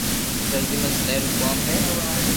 درزي ما سلائي رو ڪوم ھي